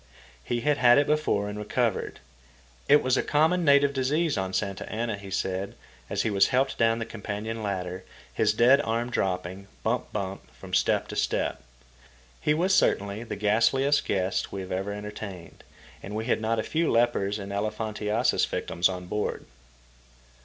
He had had it before, and recovered. It was a common native disease on Santa Anna, he said, as he was helped down the companion ladder, his dead arm dropping, bump bump, from step to step. He was certainly the ghastliest guest we ever entertained, and we've had not a few lepers and elephantiasis victims on board.